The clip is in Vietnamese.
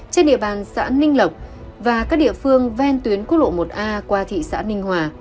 trên địa bàn xã ninh lộc và các địa phương ven tuyến quốc lộ một a qua thị xã ninh hòa